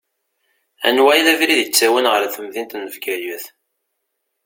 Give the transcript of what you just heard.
Anwa i d abrid ittawin ɣer temdint n Bgayet?